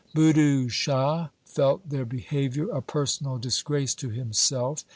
Budhu Shah felt their behaviour a personal dis grace to himself.